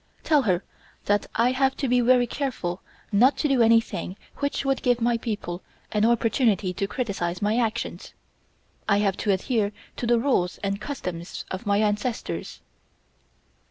Tell her that I have to be very careful not to do anything which would give my people an opportunity to criticize my actions. I have to adhere to the rules and customs of my ancestors."